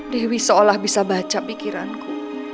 dewi seolah bisa baca pikiranku